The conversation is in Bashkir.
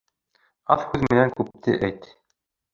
Аҙ һүҙ менән күпте әйт.